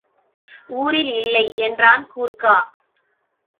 ஊரில் இல்லை, என்றான் கூர்க்கா.